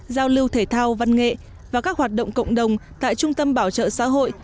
giao lưu thể thao văn nghệ và các hoạt động cộng đồng tại trung tâm bảo trợ xã hội